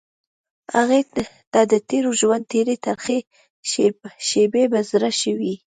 هغې ته د تېر ژوند تېرې ترخې شېبې په زړه شوې.